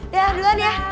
ya duluan ya